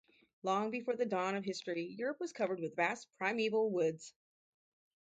Long before the dawn of history Europe was covered with vast primeval woods.